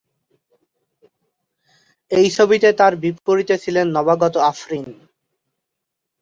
এই ছবিতে তার বিপরীতে ছিলেন নবাগত আফরিন।